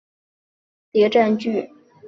本剧是闫妮首次参演的谍战剧。